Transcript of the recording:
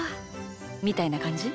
みたいなかんじ？